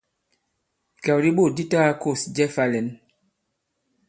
Ìkàw di bôt di ta-gā-kôs jɛ fā-lɛ̌n.